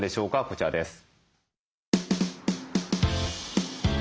こちらです。